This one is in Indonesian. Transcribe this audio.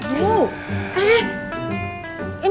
dan jangan lupa untuk berlangganan